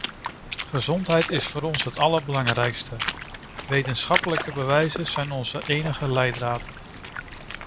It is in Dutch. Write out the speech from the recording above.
Gezondheid is voor ons het allerbelangrijkste; wetenschappelijke bewijzen zijn onze enige leidraad.